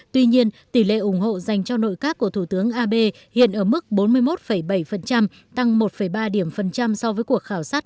tuy nhiên tỷ lệ ủng hộ dành cho nội các của thủ tướng abe hiện ở mức bốn mươi một bảy tăng một ba điểm phần trăm so với cuộc khảo sát